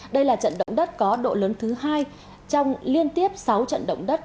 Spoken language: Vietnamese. đây là trận động đất có độ lớn thứ hai trong liên tiếp sáu trận động đất